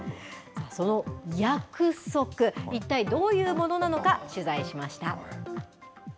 その約束、一体どういうものなのか、取材しました。